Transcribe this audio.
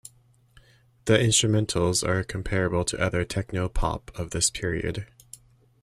The instrumentals are comparable to other techno pop of this period.